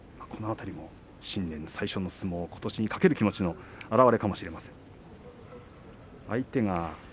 この辺りも新年最初の相撲ことしに懸ける気持ちの表れかもしれません。